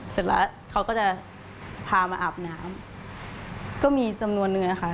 เสร็จแล้วเขาก็จะพามาอาบน้ำก็มีจำนวนนึงนะคะ